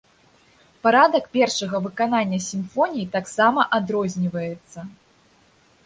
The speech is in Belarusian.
Парадак першага выканання сімфоній таксама адрозніваецца.